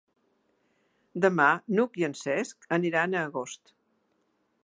Demà n'Hug i en Cesc aniran a Agost.